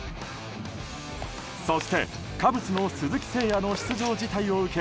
そしてカブスの鈴木誠也の出場辞退を受け